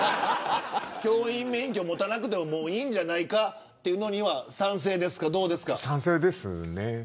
教員免許を持たなくてもいいんじゃないかというのには賛成ですね。